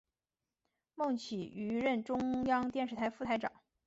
孟启予任中央电视台副台长。